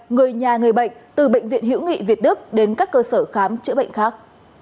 người nhà người bệnh từ bệnh viện hữu nghị việt đức đến các cơ sở khám chữa bệnh khác